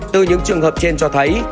từ những trường hợp trên cho thấy